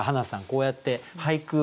こうやって俳句